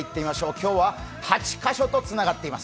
今日は８カ所とつながっています。